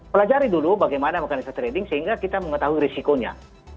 pelajari dulu bagaimana mekanisme trading sehingga kita mengetahui risikonya